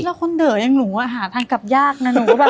แล้วคนเด๋ออย่างหนูหาทางกลับยากนะหนูแบบ